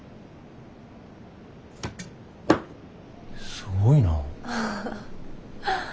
すごいな。